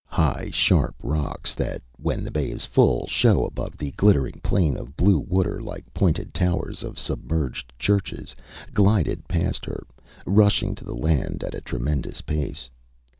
High sharp rocks that, when the bay is full, show above the glittering plain of blue water like pointed towers of submerged churches, glided past her, rushing to the land at a tremendous pace.